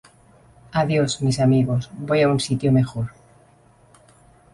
Adiós, mis amigos. Voy a un sitio mejor.